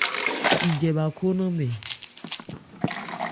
Sijɛ bha khó ńnamɛ.